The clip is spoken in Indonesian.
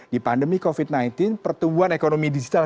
di pandemi covid sembilan belas pertumbuhan ekonomi digital